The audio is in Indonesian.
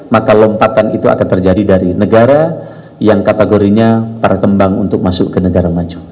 maka lompatan itu akan terjadi dari negara yang kategorinya para kembang untuk masuk ke negara maju